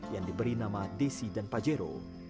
yang diberi nama desi dan pajero